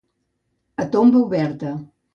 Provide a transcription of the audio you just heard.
A tomba oberta.